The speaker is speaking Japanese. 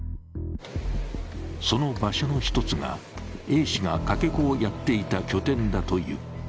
その場所の一つが、Ａ氏がかけ子をやっていた拠点だという。